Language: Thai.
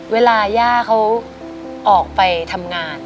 ย่าเขาออกไปทำงาน